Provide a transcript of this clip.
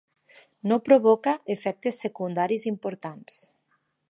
No provoca efectes secundaris importants.